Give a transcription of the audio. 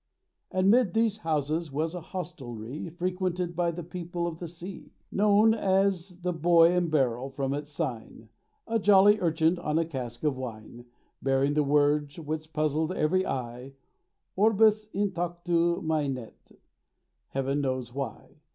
And 'mid these houses was a Hostelrie Frequented by the people of the sea, Known as the Boy and Barrel, from its sign: A jolly urchin on a cask of wine Bearing the words which puzzled every eye— Orbus In Tactu Mainet Heaven knows why.